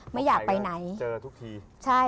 ไม่อยากไปไหนเจอทุกทีใช่